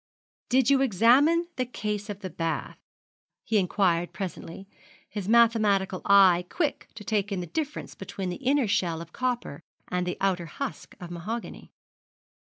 'Did you examine the case of the bath,' he inquired presently, his mathematical eye quick to take in the difference between the inner shell of copper and the outer husk of mahogany.